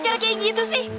itu engak kayak gitu sih